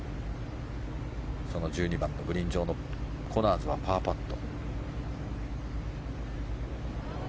その１２番のグリーン上のコナーズはパーパット。